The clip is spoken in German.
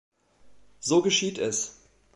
So geschieht es.